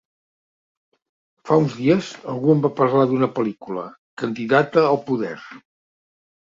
Fa uns dies, algú em va parlar d’una pel·lícula: “candidata al poder”.